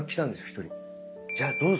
１人。